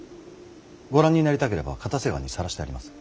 ご覧になりたければ固瀬川にさらしてあります。